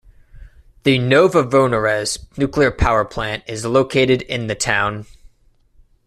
The Novovoronezh Nuclear Power Plant is located in the town.